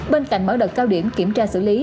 bên cạnh mở đợt cao điểm kiểm tra xử lý